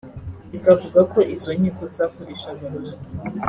ikavuga ko izo nkiko zakoreshaga ruswa